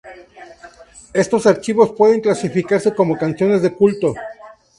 Estos archivos pueden clasificarse como canciones de culto.